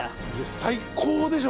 最高でしょ！